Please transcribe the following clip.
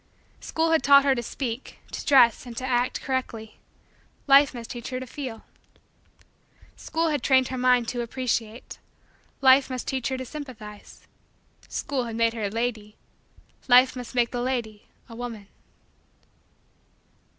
School had taught her to speak, to dress, and to act correctly: Life must teach her to feel. School had trained her mind to appreciate: Life must teach her to sympathize. School had made her a lady: Life must make the lady a woman.